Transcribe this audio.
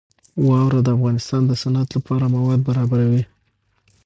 واوره د افغانستان د صنعت لپاره مواد برابروي.